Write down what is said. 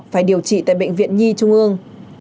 phải điều trị tại bệnh viện nhi trung ương